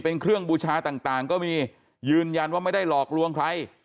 เป็นเครื่องบูชาต่างก็มียืนยันว่าไม่ได้หลอกลวงใคร